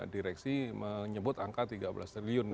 direksi menyebut angka tiga belas triliun